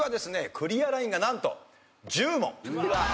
クリアラインがなんと１０問。